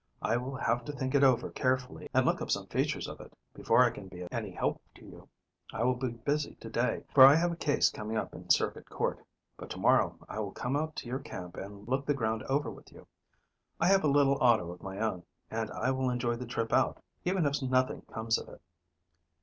I will have to think it over carefully, and look up some features of it, before I can be of any help to you. I will be busy to day, for I have a case coming up in Circuit Court, but to morrow I will come out to your camp and look the ground over with you. I have a little auto of my own, and I will enjoy the trip out, even if nothing comes of it.